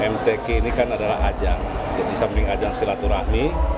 mtk ini kan adalah ajang di samping ajang silaturahmi